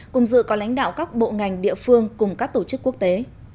cùng dự có lãnh đạo các bộ ngành địa phương cùng các tổ chức quốc tế